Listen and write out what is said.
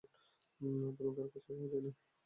তোমাকে আর খুজে পাওয়া যায় না।